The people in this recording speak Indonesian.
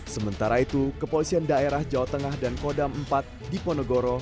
sementara itu kepolisian daerah jawa tengah dan kodam empat diponegoro